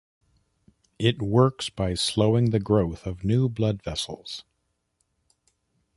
It works by slowing the growth of new blood vessels.